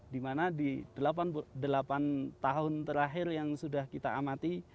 dimana di delapan tahun terakhir yang sudah kita amati